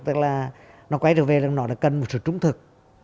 tức là nó quay trở về là nó cần một sự trung thực